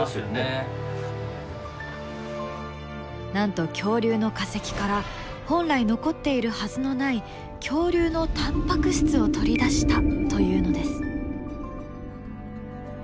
なんと恐竜の化石から本来残っているはずのない恐竜のタンパク質を取り出したというのです。